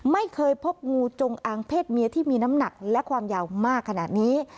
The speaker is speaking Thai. ไม่เคยพบงูจงอางเพศเมียที่มีน้ำหนักและความยาวมากขนาดนี้